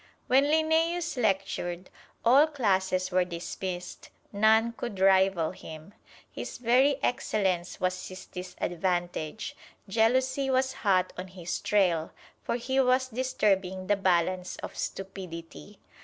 When Linnæus lectured, all classes were dismissed: none could rival him. His very excellence was his disadvantage. Jealousy was hot on his trail, for he was disturbing the balance of stupidity.